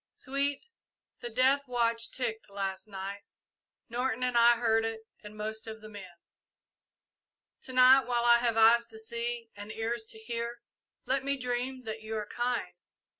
"Sweet, the death watch ticked last night Norton and I heard it and most of the men. To night, while I have eyes to see and ears to hear, let me dream that you are kind.